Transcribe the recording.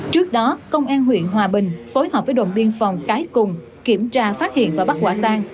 trước đó công an huyện hòa bình phối hợp với đồn biên phòng cái cùng kiểm tra phát hiện và bắt quả tang